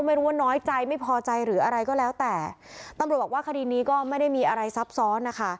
ไม่รู้ว่าน้อยใจไม่พอใจหรืออะไรก็แล้วแต่ตำรวจบอกว่าคดีนี้ก็ไม่ได้มีอะไรซับซ้อนนะคะ